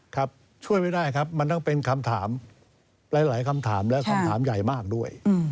ครับช่วยไม่ได้ครับมันต้องเป็นคำถามหลายคำถามและคำถามใหญ่มากด้วย